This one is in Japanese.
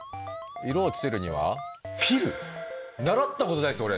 色をつけるには習ったことないっす俺。